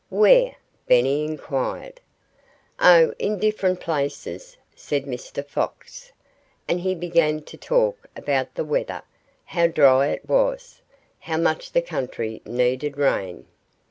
"Where?" Benny inquired. "Oh, in different places," said Mr. Fox. And he began to talk about the weather how dry it was, and how much the country needed rain.